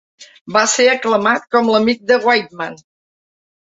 Va ser aclamat com l'"amic de Whiteman".